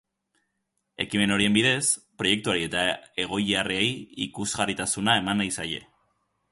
Ekimen horien bidez, proiektuari eta egoiliarrei ikusgarritasuna eman nahi zaie.